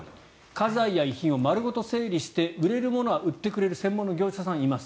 家財や遺品を丸ごと整理して売れるものは売ってくれる専門の業者さんがいます。